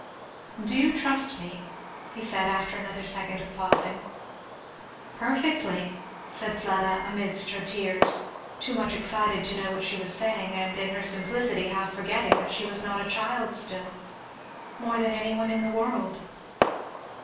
"Do you trust me?" he said after another second of pausing. "Perfectly!" said Fleda amidst her tears, too much excited to know what she was saying, and in her simplicity half forgetting that she was not a child still; "more than any one in the world!"